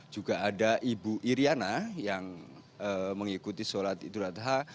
juga ada ibu iryana yang mengikuti sholat idul adha